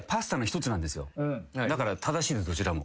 だから正しいですどちらも。